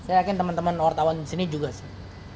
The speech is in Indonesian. saya yakin temen temen wartawan disini juga sih